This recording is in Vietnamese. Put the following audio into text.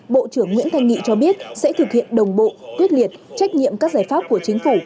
bộ trưởng nguyễn thanh nghị cho biết sẽ thực hiện đồng bộ quyết liệt trách nhiệm các giải pháp của chính phủ